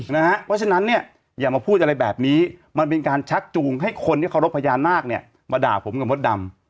เพราะฉะนั้นเนี่ยอย่ามาพูดอะไรแบบนี้มันเป็นการชักจูงให้คนที่เคารพพญานาคเนี่ยมาด่าผมกับมดดำ